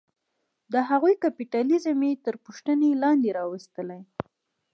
د هغوی کیپیټالیزم یې تر پوښتنې لاندې راوستلې.